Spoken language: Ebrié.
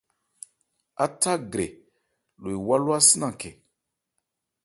Átha grɛ lo ewá ló ási nankhɛ.